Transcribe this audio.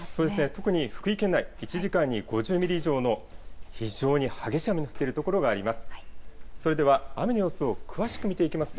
特に福井県内、１時間に５０ミリ以上の非常に激しい雨の降っている所があります。